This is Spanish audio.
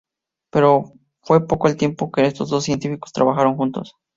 Pero fue poco el tiempo en que estos dos científicos trabajaron juntos.